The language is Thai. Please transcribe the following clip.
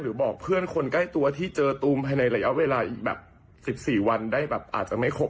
บอกเพื่อนคนใกล้ตัวที่เจอตูมภายในระยะเวลาอีกแบบ๑๔วันได้แบบอาจจะไม่ครบ